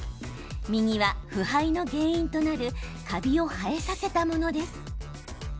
右は腐敗の原因となるカビを生えさせたものです。